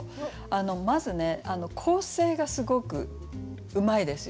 まずね構成がすごくうまいですよね。